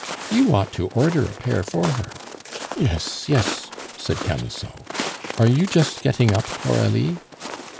You ought to order a pair for her " "Yes, yes," said Camusot. "Are you just getting up, Coralie?"